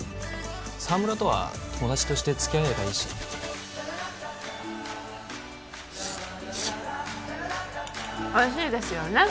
沢村とは友達として付き合えればいいしおいしいですよね？